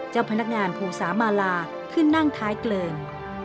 เจ้าพนักงานภูสามาลาขึ้นนั่งท้ายเกลิง